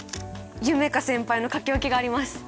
夢叶先輩の書き置きがあります。